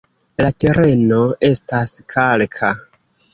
La tereno estas kalka.